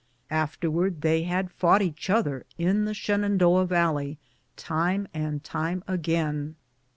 Afterwards they had fought each other in the Shenandoah Valley time and time again.